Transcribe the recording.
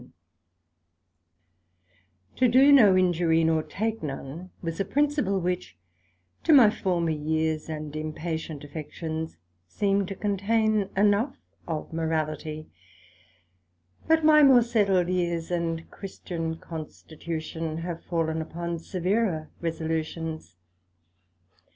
7 To do no injury, nor take none, was a principle, which to my former years, and impatient affections, seemed to contain enough of Morality; but my more setled years, and Christian constitution, have fallen upon severer resolutions.